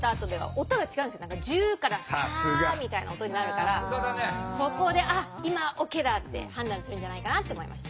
「ジュー」から「シャー」みたいな音になるからそこで「あっ今オッケーだ」って判断するんじゃないかなって思いました。